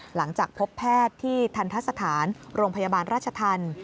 หลังจากพบแพทย์ที่ทันทะสถานโรงพยาบาลราชธรรม